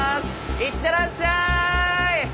いってらっしゃい。